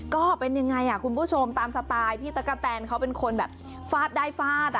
ก็เป็นยังไงคุณผู้ชมตามสไตล์พี่ตะกะแตนเขาเป็นคนแบบฟาดได้ฟาดอ่ะ